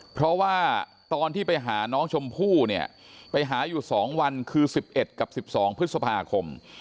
เพราะว่าตอนที่ไปหาน้องชมพู่เนี่ยไปหาอยู่สองวันคือสิบเอ็ดกับสิบสองพฤษภาคม